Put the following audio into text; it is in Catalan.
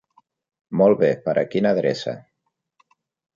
Molt bé, per a quina adreça?